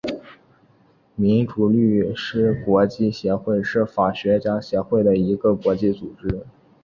民主律师国际协会是法学家协会的一个国际组织。